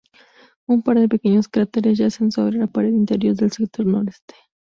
Un par de pequeños cráteres yacen sobre la pared interior del sector noroeste.